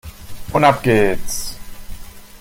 Und ab geht's!